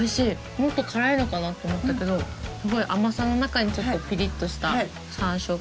もっと辛いのかなと思ったけどすごい甘さの中にちょっとピリっとした山椒が。